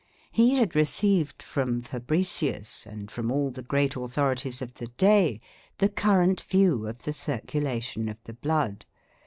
He had received from Fabricius, and from all the great authorities of the day, the current view of the circulation of the blood.